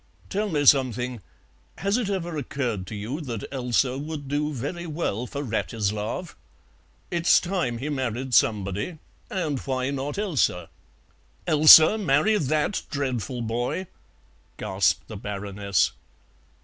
Tell me something: has it ever occurred to you that Elsa would do very well for Wratislav? It's time he married somebody, and why not Elsa?" "Elsa marry that dreadful boy!" gasped the Baroness.